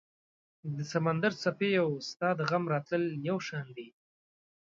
د سمندر څپې او ستا د غم راتلل یو شان دي